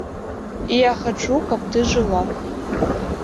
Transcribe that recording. Я хачу, каб ты жыла.